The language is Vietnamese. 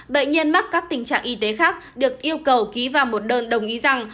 bệnh nhân mắc các tình trạng y tế khác được yêu cầu ký vào một đơn đồng ý rằng